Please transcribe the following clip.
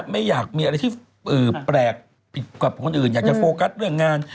ไม่อยากมีอะไรที่แปลกผิดกับคนอื่นอยากจะโฟกัสเรื่องงาน